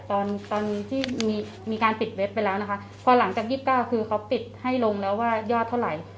ตอนตอนที่มีการปิดเว็บไปแล้วนะคะพอหลังจาก๒๙คือเขาปิดให้ลงแล้วว่ายอดเท่าไหร่